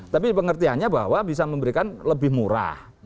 tapi pengertiannya bahwa bisa memberikan lebih murah